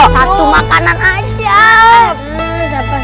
satu makanan aja